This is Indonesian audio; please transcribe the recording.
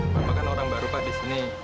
bapak kan orang baru pak di sini